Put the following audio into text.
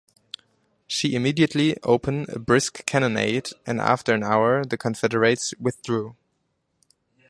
She immediately open a brisk cannonade, and after an hour the Confederates withdrew.